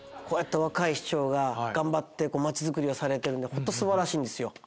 こうやって若い市長が頑張って町づくりをされてるんでホント素晴らしいんですよ